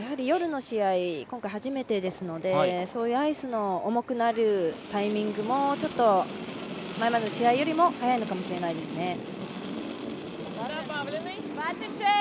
夜の試合、今回初めてですのでそういうアイスの重くなるタイミングも前の試合より早いのかもしれないですね。